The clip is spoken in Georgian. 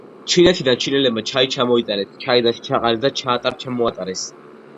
ჩინეთიდან ჩინელებმა ჩაი ჩამოიტანეს, ჩაიდანში ჩაყარეს და ჩაატარ-ჩამოატარეს.